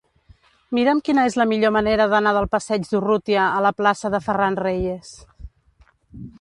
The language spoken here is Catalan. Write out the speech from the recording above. Mira'm quina és la millor manera d'anar del passeig d'Urrutia a la plaça de Ferran Reyes.